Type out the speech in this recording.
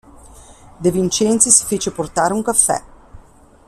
De Vincenzi si fece portare un caffè.